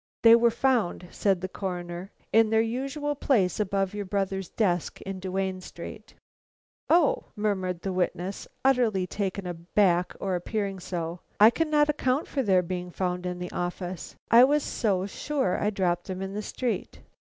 "They were found," said the Coroner, "in their usual place above your brother's desk in Duane Street." "Oh!" murmured the witness, utterly taken aback or appearing so. "I cannot account for their being found in the office. I was so sure I dropped them in the street."